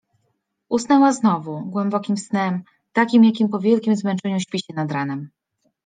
Usnęła znowu, głębokim snem, takim, jakim po wielkim zmęczeniu śpi się nad ranem.